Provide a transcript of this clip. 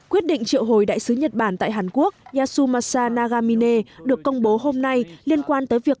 quyết định triệu hồi đại sứ nhật bản tại hàn quốc yasumasa nagamine được công bố hôm nay liên quan tới việc